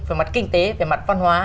về mặt kinh tế về mặt văn hóa